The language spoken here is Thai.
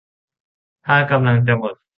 ถ้ากำลังจะหมด